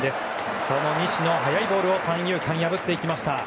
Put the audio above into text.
その西の速いボールを三遊間、破っていきました。